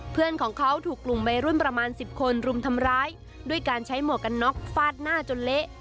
เพื่อนของเขาถูกกลุ่มวัยรุ่นประมาณสิบคนรุมทำร้ายด้วยการใช้หมวกกันน็อกฟาดหน้าจนเละ